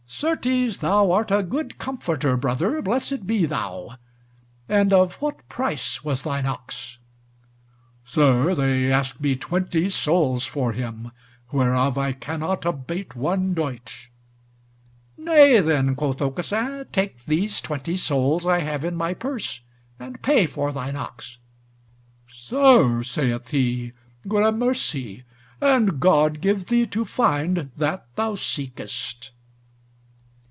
"Certes thou art a good comforter, brother, blessed be thou! And of what price was thine ox?" "Sir, they ask me twenty sols for him, whereof I cannot abate one doit." "Nay, then," quoth Aucassin, "take these twenty sols I have in my purse, and pay for thine ox." "Sir," saith he, "gramercy. And God give thee to find that thou seekest."